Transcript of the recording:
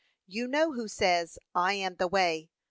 You know who says, 'I am the way.'